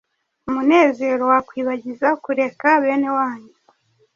umunezero wakwibagiza kureka bene wanyu